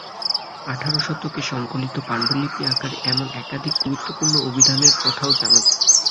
আঠারো শতকে সংকলিত পান্ডুলিপি আকারে এমন একাধিক গুরুত্বপূর্ণ অভিধানের কথাও জানা যায়।